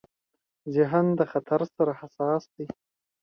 ذهن د خطر سره حساس دی.